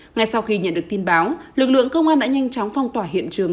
ngay sau khi nhận được tin báo lực lượng công an đã nhanh chóng phong tỏa hiện trường